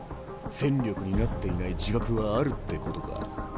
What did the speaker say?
戦力になっていない自覚はあるってことか？